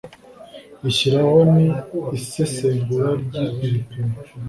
ishyiraho n isesengura ry ibipimo